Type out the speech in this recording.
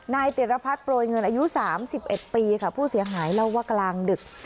นายเตรียรภัทรโปรยเงินอายุสามสิบเอ็ดปีค่ะผู้เสียงหายเล่าว่ากลางดึก